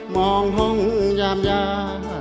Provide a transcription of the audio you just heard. มองห่องยามยา